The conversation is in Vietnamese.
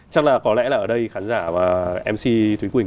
chắc là có lẽ là ở đây khán giả và mc thúy quỳnh